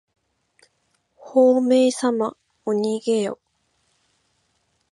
ほうめいさまおにげよ。